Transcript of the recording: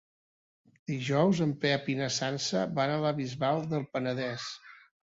Dijous en Pep i na Sança van a la Bisbal del Penedès.